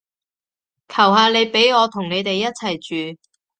求下你畀我同你哋一齊住